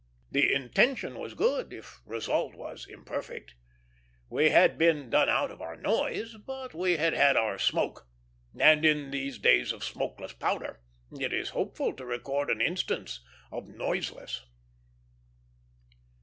The intention was good, if result was imperfect. We had been done out of our noise, but we had had our smoke; and, in these days of smokeless powder, it is hopeful to record an instance of noiseless.